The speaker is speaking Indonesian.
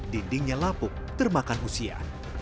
dindingnya lapuk termakan usia